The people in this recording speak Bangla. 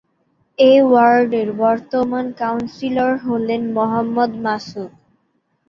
এ ওয়ার্ডের বর্তমান কাউন্সিলর হলেন মোহাম্মদ মাসুদ।